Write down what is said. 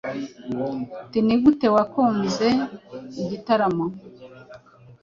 tnigute wakunze igitaramo?